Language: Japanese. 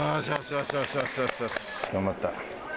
頑張った。